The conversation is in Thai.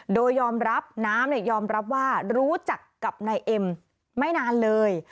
โดยยอมรับน้ำยอมรับว่ารู้จักกับนายเอ็มไม่นานเลย